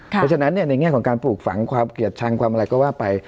เพราะฉะนั้นในแง่ของการปลูกฝังความเกลียดชังความอะไรก็ว่าไป